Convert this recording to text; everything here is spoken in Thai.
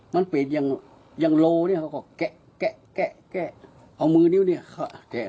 มันเป็นอย่างโลนี่เขาก็แกะ